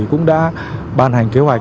cũng đã ban hành kế hoạch